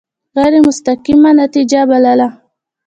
غیر مستقیمه نتیجه بلله.